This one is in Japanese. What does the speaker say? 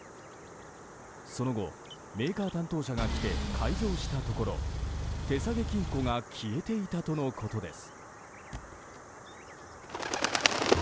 その後、メーカー担当者が来て開錠したところ手提げ金庫が消えていたとのことです。